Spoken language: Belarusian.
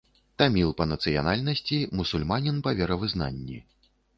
Таміл па нацыянальнасці, мусульманін па веравызнанні.